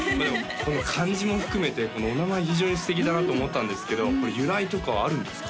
その漢字も含めてお名前非常に素敵だなと思ったんですけど由来とかはあるんですか？